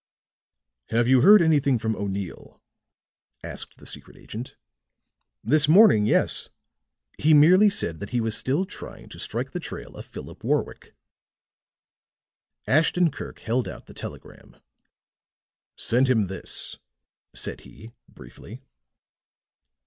"Have you heard anything from O'Neill?" asked the secret agent. "This morning yes. He merely said that he was still trying to strike the trail of Philip Warwick." Ashton Kirk held out the telegram. "Send him this," said he, briefly.